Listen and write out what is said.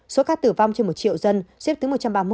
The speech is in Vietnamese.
số ca tử vong trên một triệu dân